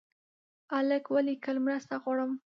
هلک ولیکل مرسته غواړم.